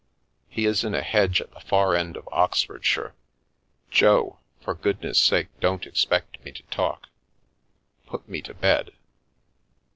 " He is in a hedge at the far end of Oxfordshire. Jo, for goodness' sake, don't expect me to talk. Put me to bed."